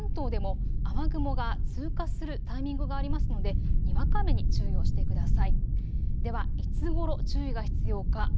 そしてもう１つ、関東でも雨雲が通過するタイミングがありますのでにわか雨に注意をしてください。